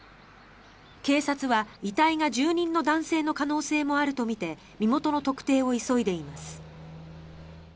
警察は遺体が住人の男性の可能性もあるとみて身元の特定を急いでいます。